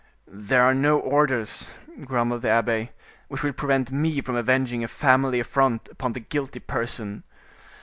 "There are no orders," grumbled the abbe, "which will prevent me from avenging a family affront upon the guilty person."